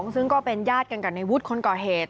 ซึ่งก็เป็นญาติกันกับในวุฒิคนก่อเหตุ